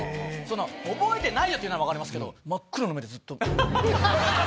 「覚えてないよ」って言うなら分かりますけど真っ黒の目でずっと。